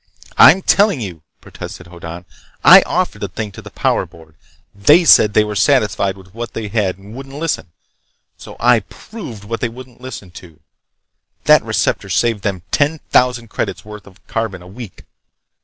"I'm telling you!" protested Hoddan. "I offered the thing to the Power Board. They said they were satisfied with what they had and wouldn't listen. So I proved what they wouldn't listen to! That receptor saved them ten thousand credits worth of carbon a week!